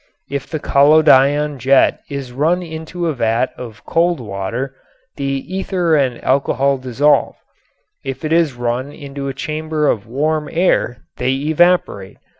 If the collodion jet is run into a vat of cold water the ether and alcohol dissolve; if it is run into a chamber of warm air they evaporate.